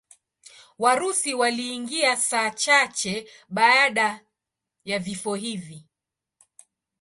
Warusi waliingia saa chache baada ya vifo hivi.